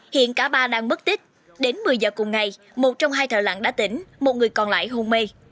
hiện cả ba đang mất tích đến một mươi giờ cùng ngày một trong hai thợ lặng đã tỉnh một người còn lại hôn mê